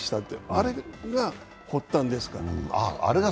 あれが最初ですから。